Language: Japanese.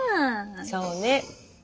そうね。